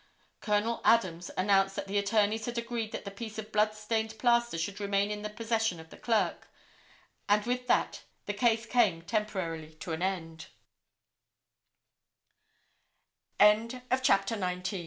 Col. Adams announced that the attorneys had agreed that the piece of blood stained plaster should remain in the possession of the Clerk, and with that, the case came temporaril